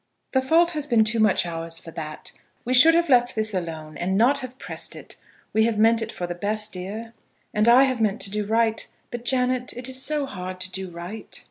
"The fault has been too much ours for that. We should have left this alone, and not have pressed it. We have meant it for the best, dear." "And I have meant to do right; but, Janet, it is so hard to do right."